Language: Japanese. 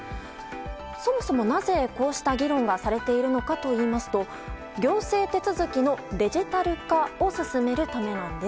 そもそもなぜ、こうした議論がされているのかといいますと行政手続きのデジタル化を進めるためなんです。